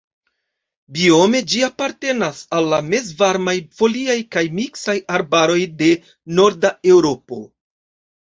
Biome ĝi apartenas al la mezvarmaj foliaj kaj miksaj arbaroj de Norda Eŭropo.